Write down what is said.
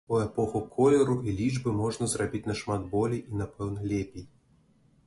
У эпоху колеру і лічбы можна зрабіць нашмат болей і, напэўна, лепей.